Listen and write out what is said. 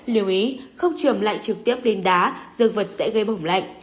liêu ý không trường lạnh trực tiếp lên đá dương vật sẽ gây bổng lạnh